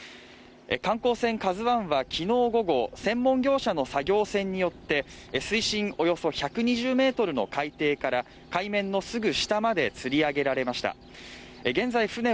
観光船「ＫＡＺＵ１」は昨日午後専門業者の作業船によって水深およそ１２０メートルの海底から海面のすぐ下までつり上げられました